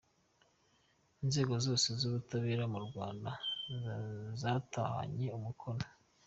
Inzego zose z’Ubutabera mu Rwanda zatahanye umukoro.